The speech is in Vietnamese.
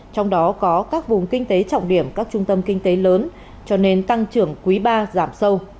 trong đó có các vùng kinh tế trọng điểm các trung tâm kinh tế lớn cho nên tăng trưởng quý ba giảm sâu